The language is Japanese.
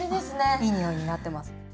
いい匂いになってます。